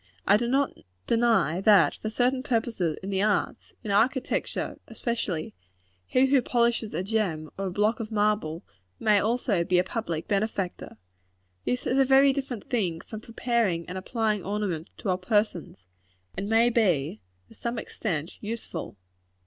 I do not deny that, for certain purposes in the arts in architecture, especially he who polishes a gem, or a block of marble, may also be a public benefactor. This is a very different thing from preparing and applying ornaments to our persons; and may be, to some extent, useful.